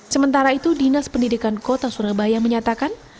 sementara itu dinas pendidikan kota surabaya menyatakan